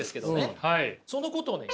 そのことをね